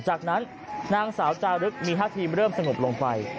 จากนั้นนางสาวจารึกมีท่าทีเริ่มสงบลงไป